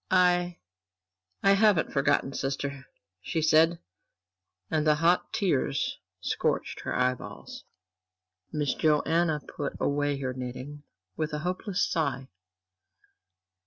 "I I haven't forgotten, sister," she said, and the hot tears scorched her eyeballs. Miss Joanna put away her knitting with a hopeless sigh.